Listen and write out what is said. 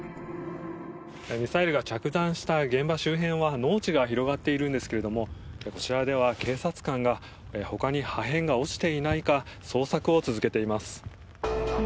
ミサイルが着弾した現場周辺は農地が広がっているんですがこちらでは警察官がほかに破片が落ちていないか捜索を続けています。